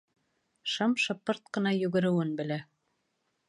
Шым-шыпырт ҡына йүгереүен белә.